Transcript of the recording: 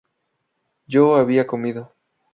yo había comido